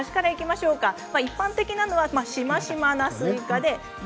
一般的なのはしましまのスイカ。